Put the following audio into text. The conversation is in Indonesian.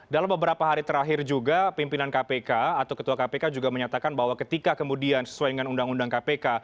dalam beberapa hari terakhir juga pimpinan kpk atau ketua kpk juga menyatakan bahwa ketika kemudian sesuai dengan undang undang kpk